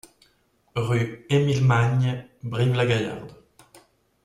Rue Emile Magne, Brive-la-Gaillarde